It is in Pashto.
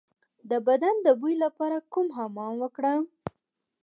د بدن د بوی لپاره کوم حمام وکړم؟